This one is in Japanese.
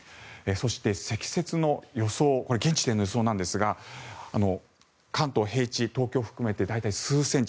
そして現時点の積雪の予想なんですが関東平地、東京含めて大体数センチ。